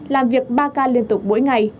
làm việc ba k liên tục mỗi ngày